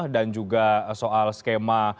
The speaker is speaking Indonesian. dan juga soal skema